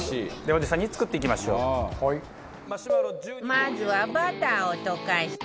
まずはバターを溶かして